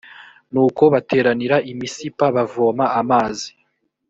nuko bateranira i misipa bavoma amazi